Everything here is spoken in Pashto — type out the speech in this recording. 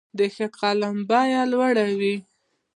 د ښه قلم بیه لوړه وي.